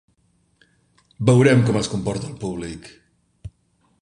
Veurem com es comporta el públic.